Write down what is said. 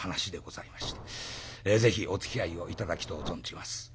ぜひおつきあいを頂きとう存じます。